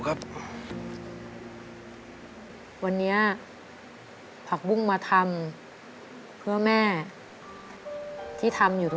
ใจมันลอยไปหาแม่ครับ